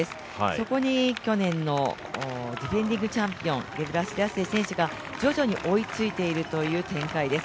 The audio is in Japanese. そこに去年のディフェンディングチャンピオン、ゲブレシラシエ選手が徐々に追いついているという展開です。